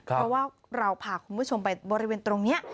เพราะว่าเราพาคุณผู้ชมไปบริเวณตรงนี้